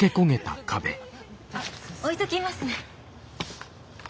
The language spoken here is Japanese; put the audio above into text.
あっ置いときますね。